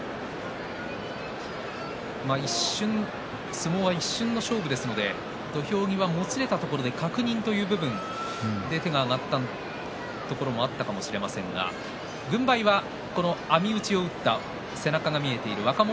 相撲は一瞬の勝負ですので土俵際もつれたところで確認という部分手が上がったところもあったかもしれませんが軍配は網打ちを打った背中が見えている若元